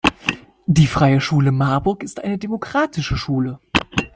Die Freie Schule Marburg ist eine Demokratische Schule.